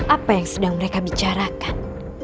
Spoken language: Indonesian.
apa yang sedang mereka bicarakan